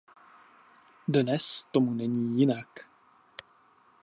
Dnes tomu není jinak.